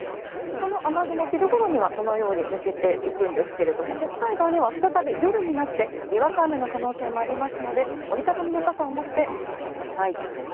その雨雲、昼ごろにはこのように抜けていくんですが北海道には再び夜になってにわか雨の可能性もありますので折り畳みの傘を持ってお出かけください。